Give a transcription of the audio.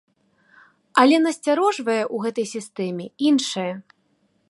Але насцярожвае ў гэтай сістэме іншае.